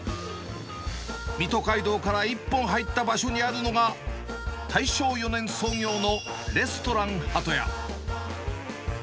水戸街道から一本入った場所にあるのが、大正４年創業のレストラン鳩家。